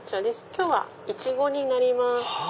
今日はイチゴになります。